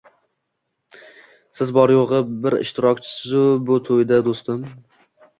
Siz bor-yo`g`i bir ishtirokchisiz-ku bu to`yda, do`stim